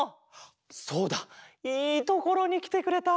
そうだいいところにきてくれた。